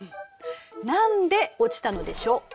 何で落ちたのでしょう？